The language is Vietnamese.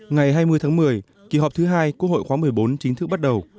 ngày hai mươi tháng một mươi kỳ họp thứ hai quốc hội khóa một mươi bốn chính thức bắt đầu